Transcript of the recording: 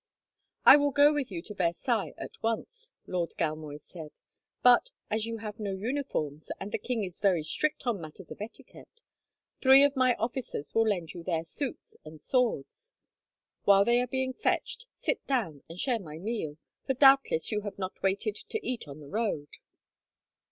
"I will go with you to Versailles, at once," Lord Galmoy said; "but, as you have no uniforms, and the king is very strict on matters of etiquette, three of my officers will lend you their suits and swords. While they are being fetched, sit down and share my meal, for doubtless you have not waited to eat on the road."